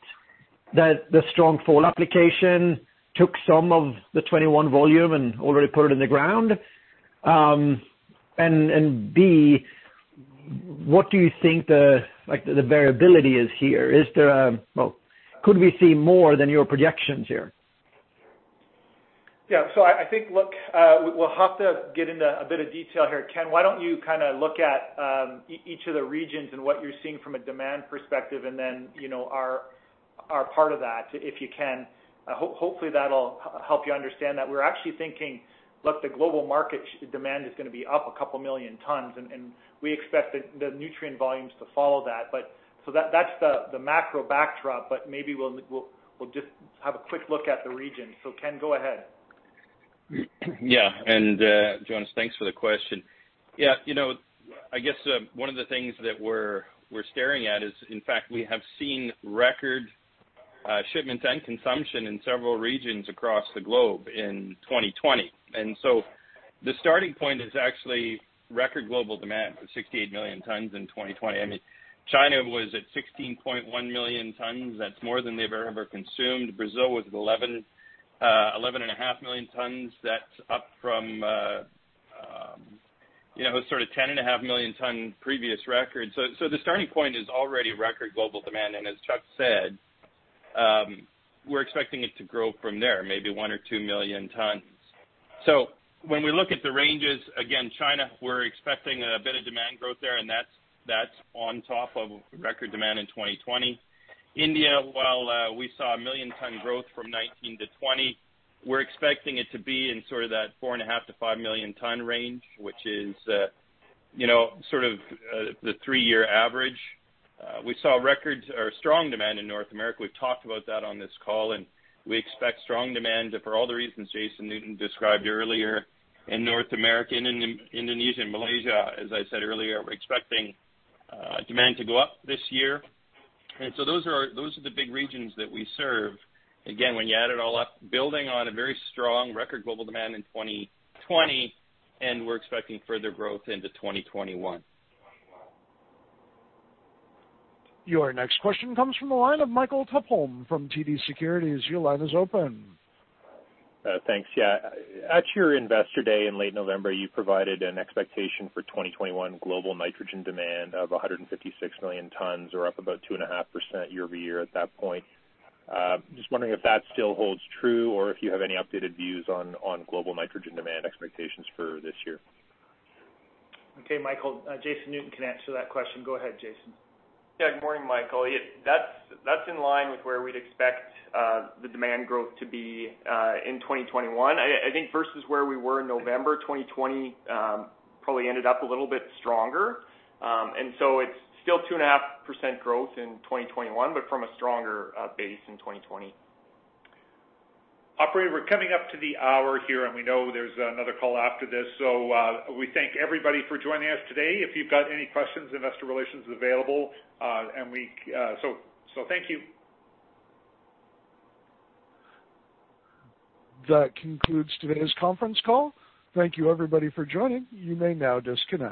that the strong fall application took some of the 2021 volume and already put it in the ground? B, what do you think the variability is here? Could we see more than your projections here?
Yeah. I think, look, we'll have to get into a bit of detail here. Ken, why don't you look at each of the regions and what you're seeing from a demand perspective, and then our part of that, if you can. Hopefully that'll help you understand that we're actually thinking, look, the global market demand is going to be up a couple million tons, and we expect the Nutrien volumes to follow that. That's the macro backdrop. Maybe we'll just have a quick look at the region. Ken, go ahead.
Yeah. Jonas, thanks for the question. Yeah. I guess one of the things that we're staring at is, in fact, we have seen record shipments and consumption in several regions across the globe in 2020. The starting point is actually record global demand of 68 million tons in 2020. China was at 16.1 million tons. That's more than they've ever consumed. Brazil was at 11.5 million tons. That's up from sort of 10.5 million ton previous record. The starting point is already record global demand. As Chuck said, we're expecting it to grow from there, maybe 1 million or 2 million tons. When we look at the ranges, again, China, we're expecting a bit of demand growth there, and that's on top of record demand in 2020. India, while we saw a million ton growth from 2019 to 2020, we're expecting it to be in sort of that 4.5 million-5 million ton range, which is sort of the three-year average. We saw strong demand in North America. We've talked about that on this call. We expect strong demand for all the reasons Jason Newton described earlier in North America and in Indonesia and Malaysia. As I said earlier, we're expecting demand to go up this year. Those are the big regions that we serve. Again, when you add it all up, building on a very strong record global demand in 2020, we're expecting further growth into 2021.
Your next question comes from the line of Michael Tupholme from TD Securities. Your line is open.
Thanks. Yeah. At your Investor Day in late November, you provided an expectation for 2021 global nitrogen demand of 156 million tons or up about 2.5% year-over-year at that point. Just wondering if that still holds true or if you have any updated views on global nitrogen demand expectations for this year.
Okay. Michael, Jason Newton can answer that question. Go ahead, Jason.
Good morning, Michael. That's in line with where we'd expect the demand growth to be in 2021. I think versus where we were in November 2020, probably ended up a little bit stronger. It's still 2.5% growth in 2021, but from a stronger base in 2020.
Operator, we're coming up to the hour here, and we know there's another call after this. We thank everybody for joining us today. If you've got any questions, investor relations is available. Thank you.
That concludes today's conference call. Thank you everybody for joining. You may now disconnect.